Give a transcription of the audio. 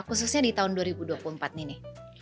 khususnya di tahun dua ribu dua puluh empat ini